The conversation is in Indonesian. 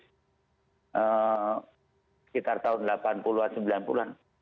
sekitar tahun delapan puluh an sembilan puluh an